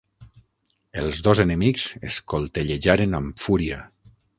Els dos enemics es coltellejaren amb fúria.